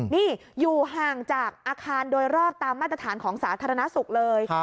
นี่อยู่ห่างจากอาคารโดยรอบตามมาตรฐานของสาธารณสุขเลย